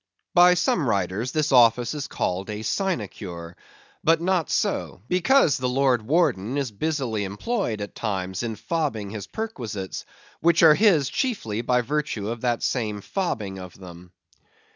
By some writers this office is called a sinecure. But not so. Because the Lord Warden is busily employed at times in fobbing his perquisites; which are his chiefly by virtue of that same fobbing of them.